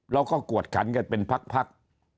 เราก็กวดขันกันเป็นพัก